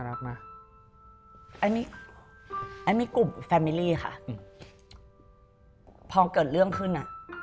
พอเกิดเรื่องขึ้น